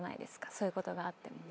そういうことがあっても。